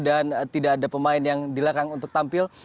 dan tidak ada pemain yang dilarang untuk tampil